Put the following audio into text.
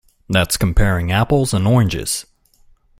That's comparing apples and oranges.